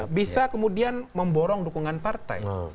bisa kemudian memborong dukungan partai